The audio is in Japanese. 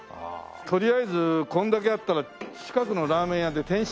とりあえずこれだけあったら近くのラーメン屋で天津丼